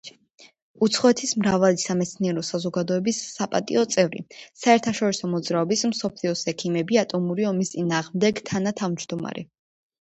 უცხოეთის მრავალი სამეცნიერო საზოგადოების საპატიო წევრი, საერთაშორისო მოძრაობის „მსოფლიოს ექიმები ატომური ომის წინააღმდეგ“ თანათავმჯდომარე.